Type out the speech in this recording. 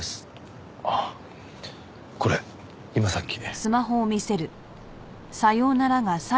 あっこれ今さっき。